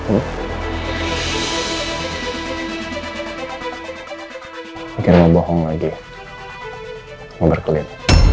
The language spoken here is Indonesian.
bikin membohong lagi mau berkelit